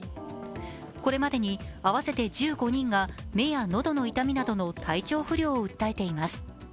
これまでに合わせて１５人が目や喉の痛みなどの体調不良を訴えています。